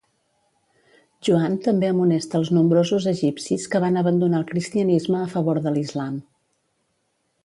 Joan també amonesta els nombrosos egipcis que van abandonar el cristianisme a favor de l'islam.